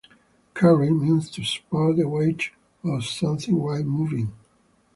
"Carry" means to support the weight of something while moving.